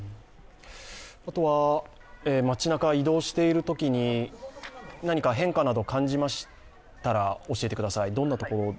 あとは、町なか移動しているときに何か変化など感じましたら教えてください。